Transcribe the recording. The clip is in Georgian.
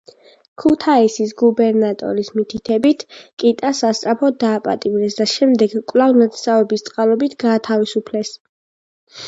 ქუთაისის გუბერნატორის მითითებით, კიტა სასწრაფოდ დააპატიმრეს და შემდეგ კვლავ ნათესავების წყალობით გაათავისუფლეს.